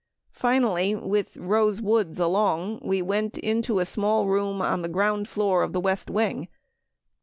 Finally with Rose Woods along, we went into a small room on the ground floor of the West Wing.